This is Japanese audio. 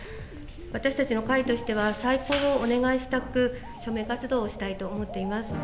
私たちの会としては、再考をお願いしたく、署名活動をしたいと思っています。